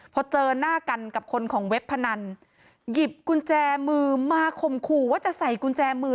พอเจอหน้ากันกับคนของเว็บพนันหยิบกุญแจมือมาข่มขู่ว่าจะใส่กุญแจมือ